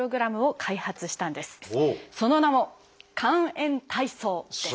その名も「肝炎体操」です！